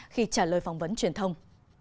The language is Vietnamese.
khi trả lời phỏng vấn truyền thông